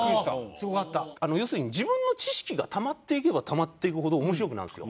要するに自分の知識がたまっていけばたまっていくほど面白くなるんですよ。